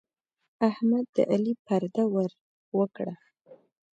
احمد د علي پرده ور وکړه.